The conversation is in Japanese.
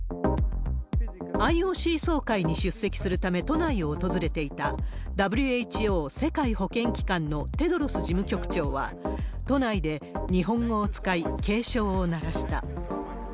ＩＯＣ総会に出席するため都内を訪れていた、ＷＨＯ・世界保健機関のテドロス事務局長は、都内で日本語を使い、警鐘を鳴らした。